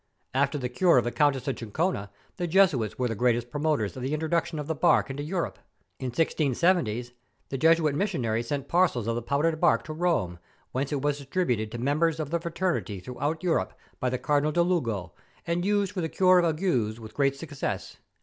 ... After the cure of the Countess of Chincha, the Jesuits were the great promoters of the introduction of the bark into Europe. ... In 1670 the Jesuit missionaries sent parcels of the powdered bark to Eome, whence it was distributed to members of the fraternity through¬ out Europe by the Cardinal de Lugo, and used for the cure of agues with great success.